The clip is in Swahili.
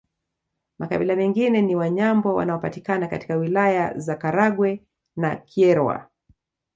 Makabila mengine ni Wanyambo wanaopatikana katika Wilaya za Karagwe na Kyerwa